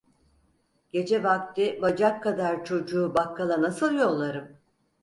Gece vakti bacak kadar çocuğu bakkala nasıl yollarım?